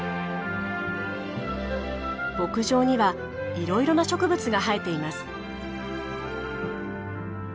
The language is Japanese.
牧場にはいろいろな植物が生えています。